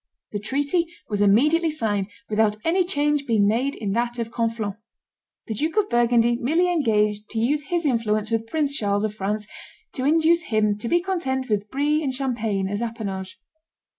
The treaty was immediately signed, without any change being made in that of Conflans. The Duke of Burgundy merely engaged to use his influence with Prince Charles of France to induce him to be content with Brie and Champagne as appanage.